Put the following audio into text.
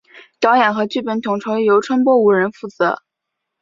导演和剧本统筹由川波无人负责。